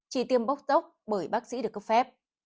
chỉ tiêm bóc tốc bởi bác sĩ được cấp phép